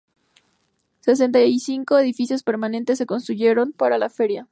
Setenta y cinco edificios permanentes se construyeron para la feria.